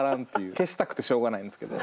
消したくてしょうがないんですけど。